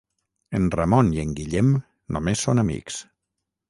En Ramon i en Guillem només són amics.